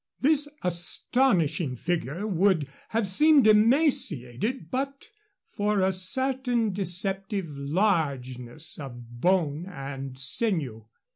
This astonishing figure would have seemed emaciated but for a certain deceptive largeness of bone and sinew.